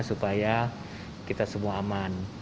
supaya kita semua aman